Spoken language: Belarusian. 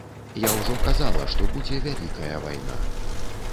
Я ўжо казала, што будзе вялікая вайна.